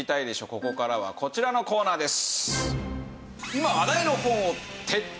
ここからはこちらのコーナーです。